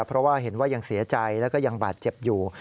เพราะว่าเห็นว่ายังเสียใจแล้วก็ยังบาดเจ็บอยู่